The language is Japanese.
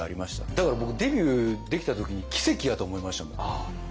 だから僕デビューできた時に奇跡やと思いましたもん。